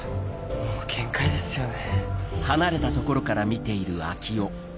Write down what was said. もう限界ですよね。